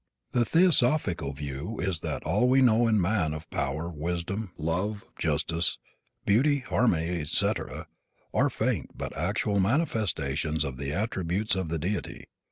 The theosophical view is that all we know in man of power, wisdom, love, justice, beauty, harmony, et cetera, are faint but actual manifestations of the attributes of the deity.